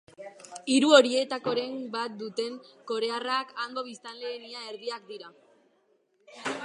Hiru horietakoren bat duten korearrak hango biztanleen ia erdiak dira.